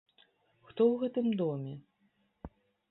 Хто ў гэтым доме?